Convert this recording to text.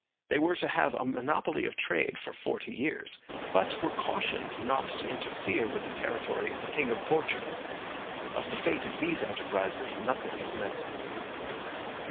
They were to have a monopoly of trade for forty years, but were cautioned not to interfere with the territory of the king of Portugal. Of the fate of these enterprises nothing is known.